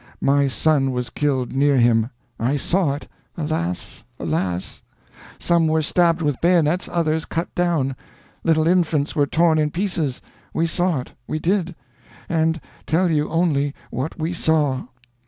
My son was killed near him. I saw it; alas! alas! Some were stabbed with bayonets; others cut down. Little infants were torn in pieces. We saw it; we did; and tell you only what we saw.